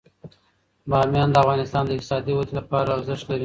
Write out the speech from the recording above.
بامیان د افغانستان د اقتصادي ودې لپاره ارزښت لري.